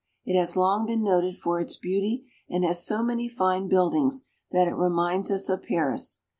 It has long been noted for its beauty and has so many fine buildings that it reminds us of Paris.